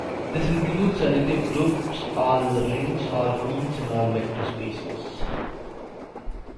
This includes additive groups, all rings, all fields, and all vector spaces.